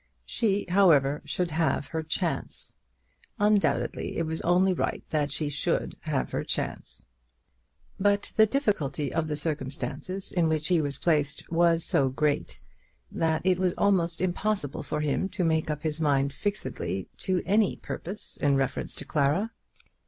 She, however, should have her chance. Undoubtedly it was only right that she should have her chance. But the difficulty of the circumstances in which he was placed was so great, that it was almost impossible for him to make up his mind fixedly to any purpose in reference to Clara.